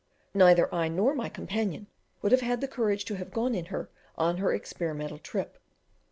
Neither I nor my companion would have had the courage to have gone in her on her experimental trip.